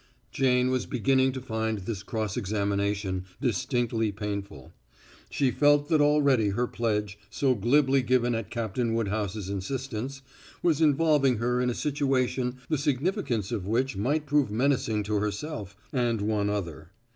Jane was beginning to find this cross examination distinctly painful. She felt that already her pledge, so glibly given at Captain Woodhouse's insistence, was involving her in a situation the significance of which might prove menacing to herself and one other.